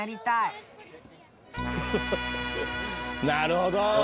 なるほど。